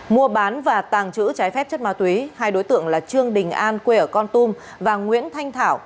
mua bán và tàng trữ trái phép chất ma túy hai đối tượng là trương đình an quê ở con tum và nguyễn thanh thảo